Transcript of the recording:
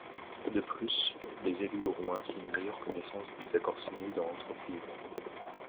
De plus, les élus auront ainsi une meilleure connaissance des accords signés dans l’entreprise.